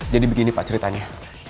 jadi begini pak ceritanya